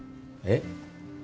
えっ？